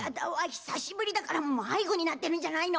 久しぶりだから迷子になってるんじゃないの？